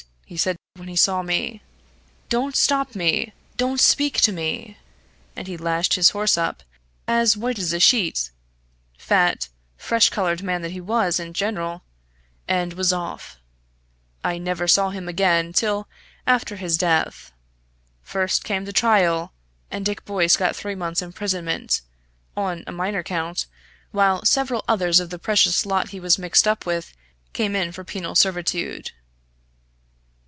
he said, when he saw me. 'Don't stop me don't speak to me!' And he lashed his horse up as white as a sheet fat, fresh coloured man that he was in general and was off. I never saw him again till after his death. First came the trial, and Dick Boyce got three months' imprisonment, on a minor count, while several others of the precious lot he was mixed up with came in for penal servitude.